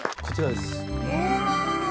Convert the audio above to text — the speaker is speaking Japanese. こちらです。